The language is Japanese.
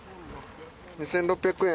２，６００円。